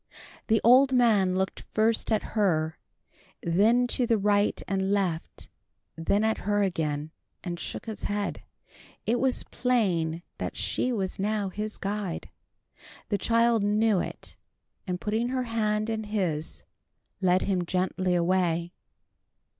The old man looked first at her, then to the right and left, then at her again, and shook his head. It was plain that she was now his guide. The child knew it, and putting her hand in his, led him gently away.